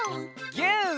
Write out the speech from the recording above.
ギュー！